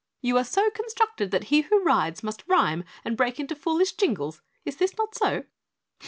"You are so constructed that he who rides must rhyme and break into foolish jingles. Is this not so?"